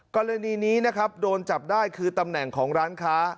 กรณีนี้นะครับโดนจับได้คือตำแหน่งของร้านค้า